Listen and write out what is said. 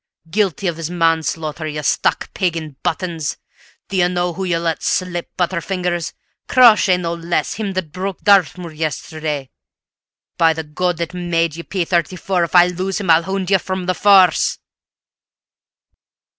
Guilty of his manslaughter, you stuck pig in buttons! Do you know who you've let slip, butter fingers? Crawshay no less him that broke Dartmoor yesterday. By the God that made ye, P 34, if I lose him I'll hound ye from the forrce!"